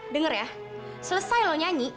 dengar ya selesai loh nyanyi